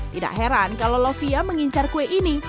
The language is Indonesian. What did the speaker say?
tidak heran kalau lovia mengincar kue ini